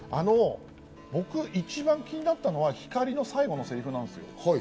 僕一番気になったのは、光莉の最後のセリフなんですよ。